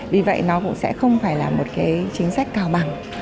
vì vậy nó cũng sẽ không phải là một cái chính sách cao bằng